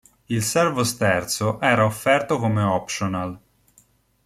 Il servosterzo era offerto come optional.